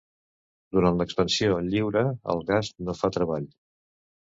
Durant l'expansió lliure el gas no fa treball.